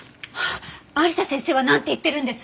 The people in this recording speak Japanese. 有田先生はなんて言ってるんです？